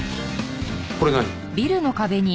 これ何？